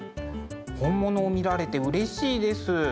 本物を見られてうれしいです。